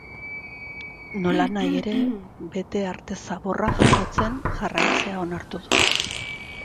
Nolanahi ere, bete arte zaborra jasotzen jarraitzea onartu du.